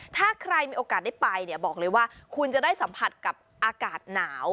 ถ้าใครมีโอกาสได้ไปเนี่ยบอกเลยว่าคุณจะได้สัมผัสกับอากาศหนาว